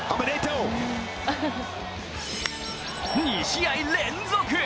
２試合連続！